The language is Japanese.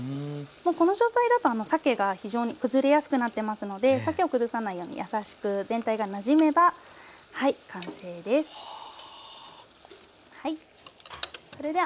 もうこの状態だとさけが非常に崩れやすくなってますのでさけを崩さないように優しく全体がなじめばはい完成です。はあ。